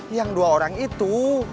yang dua orang itu